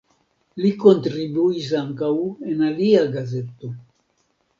Li kontribuis ankaŭ en alia gazeto.